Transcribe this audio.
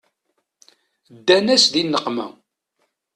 Ddan-as di nneqma.